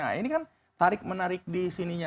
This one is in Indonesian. nah ini kan tarik menarik di sininya